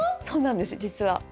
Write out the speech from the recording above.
そうなんです実は。